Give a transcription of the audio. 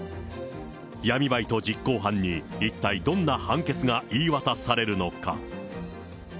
闇バイト実行犯に一体どんな判決が言い渡されるのか。